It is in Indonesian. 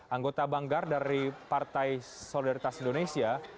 anggota banggar dari partai solidaritas indonesia